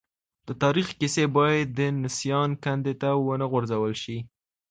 د تاریخ کیسې باید د نسیان کندې ته ونه غورځول سي.